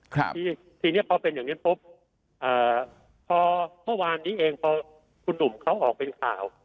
ทีนี้พอเป็นอย่างนี้ปุ๊บพอเมื่อวานนี้เองพอคุณหนุ่มเขาออกเป็นข่าว